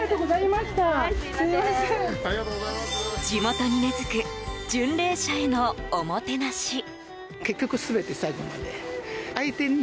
地元に根付く巡礼者へのおもてなし。